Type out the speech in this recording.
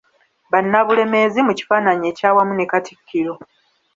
Bannabulemezi mu kifaananyi ekyawamu ne Katikkiro.